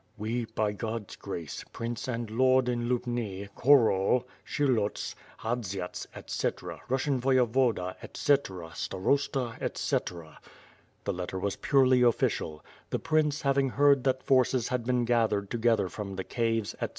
"We, by God's grace. Prince and Lord in Lubni, Khorol, Pshyluts, Iladziats, etc., Russian Voyevoda, etc., Starosta, etc,'' The letter was purely official. The prince having heard that forces liad been gathered together from the caves, etc.